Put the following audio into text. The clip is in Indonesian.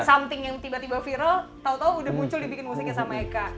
something yang tiba tiba viral tau tau udah muncul dibikin musiknya sama eka